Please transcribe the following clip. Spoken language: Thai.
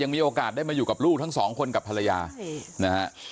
มีโอกาสได้มาอยู่กับลูกทั้งสองคนกับภรรยานะฮะ